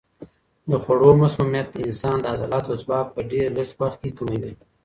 د خوړو مسمومیت د انسان د عضلاتو ځواک په ډېر لږ وخت کې کموي.